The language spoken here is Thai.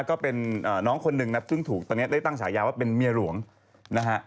ก็เป็นน้องคนหนึ่งนะครับซึ่งถูกตอนนี้ได้ตั้งฉายาว่าเป็นเมียหลวงนะฮะ